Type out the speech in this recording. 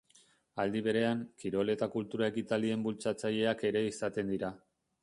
Aldi berean, kirol eta kultura ekitaldien bultzatzaileak ere izaten dira.